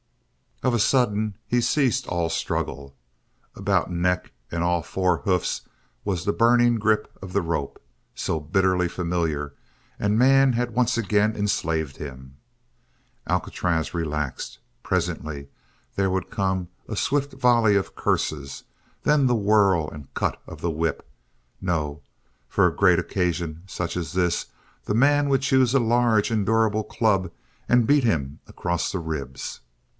Of a sudden he ceased all struggle. About neck and all four hoofs was the burning grip of the rope, so bitterly familiar, and man had once again enslaved him. Alcatraz relaxed. Presently there would come a swift volley of curses, then the whir and cut of the whip no, for a great occasion such as this the man would choose a large and durable club and beat him across the ribs.